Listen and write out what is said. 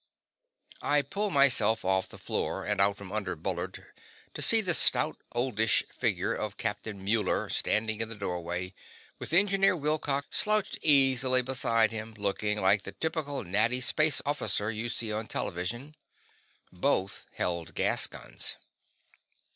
I pulled myself off the floor and out from under Bullard to see the stout, oldish figure of Captain Muller standing in the doorway, with Engineer Wilcox slouched easily beside him, looking like the typical natty space officer you see on television. Both held gas guns.